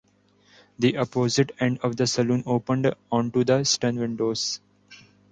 The opposite end of the saloon opened onto the stern windows.